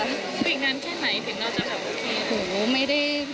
วิกนั้นแค่ไหนถึงเราจะแบบโอเคนะ